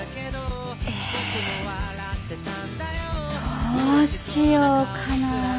ええどうしようかな。